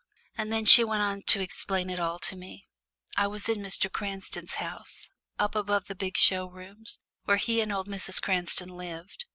And then she went on to explain it all to me. I was in Mr. Cranston's house! up above the big show rooms, where he and old Mrs. Cranston lived.